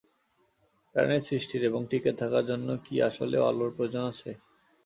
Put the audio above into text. প্রাণের সৃষ্টির এবং টিকে থাকার জন্য কী আসলেও আলোর প্রয়োজন আছে?